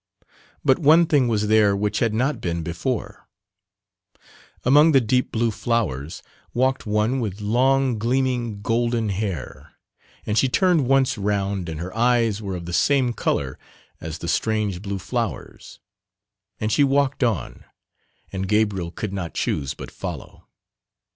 But one thing was there which had not been before, among the deep blue flowers walked one with long gleaming golden hair, and she turned once round and her eyes were of the same colour as the strange blue flowers, and she walked on and Gabriel could not choose but follow.